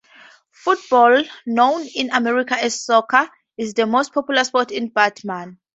Football, known in America as soccer, is the most popular sport in Batman.